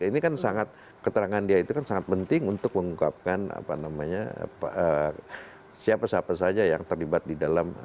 ini kan sangat keterangan dia itu kan sangat penting untuk mengungkapkan siapa siapa saja yang terlibat di dalam